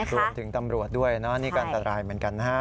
รวมถึงตำรวจด้วยนี่การตัดลายเหมือนกัน